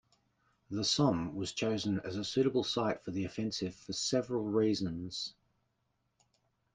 The Somme was chosen as a suitable site for the offensive for several reasons.